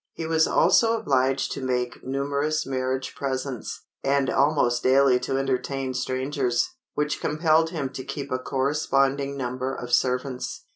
He was also obliged to make numerous marriage presents, and almost daily to entertain strangers, which compelled him to keep a corresponding number of servants.